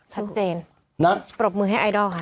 ชัดเจนนะปรบมือให้ไอดอลค่ะ